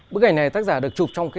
bức ảnh này tác giả được chụp trong quà